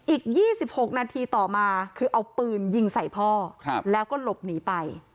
อีก๒๖นาทีต่อมาคือเอาปืนยิงใส่พ่อแล้วก็หลบหนีไป